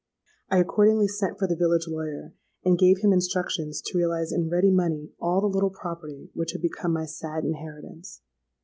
I accordingly sent for the village lawyer, and gave him instructions to realize in ready money all the little property which had become my sad inheritance.